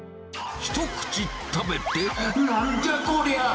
一口食べて、なんじゃこりゃ！